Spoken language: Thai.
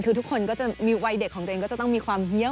คือทุกคนก็จะมีวัยเด็กของตัวเองก็จะต้องมีความเฮี้ย